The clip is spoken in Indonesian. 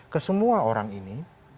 kesemua orang ini